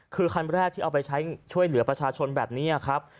คือคันแรกที่เอาไปใช้ช่วยเหลือประชาชนแบบนี้ครับ